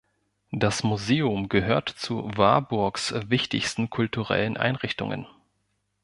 Das Museum gehört zu Warburgs wichtigsten kulturellen Einrichtungen.